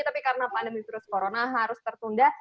tapi karena pandemi virus corona harus tertunda